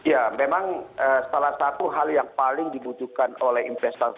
ya memang salah satu hal yang paling dibutuhkan oleh investasi